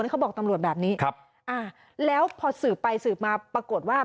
เขาบอกตำรวจแบบนี้ครับอ่าแล้วพอสืบไปสืบมาปรากฏว่า